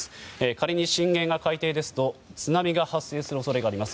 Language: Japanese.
仮に震源が海底ですと津波が発生する恐れがあります。